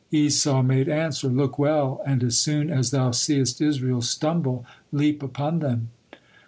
Esau made answer: "Look well, and as soon as thou seest Israel stumble, leap upon them."